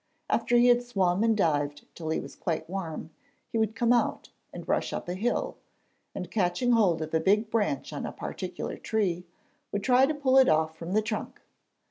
After he had swum and dived till he was quite warm, he would come out and rush up a hill, and, catching hold of a big branch on a particular tree, would try to pull it off from the trunk!